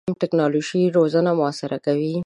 ټکنالوژي روزنه موثره کوي.